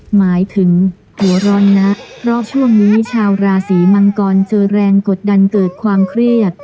หมายถึงหัวร้อนนะเพราะช่วงนี้ชาวราศีมังกรเจอแรงกดดันเกิดความเครียด